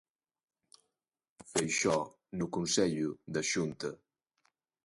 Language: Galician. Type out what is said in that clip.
Feixóo no Consello da Xunta.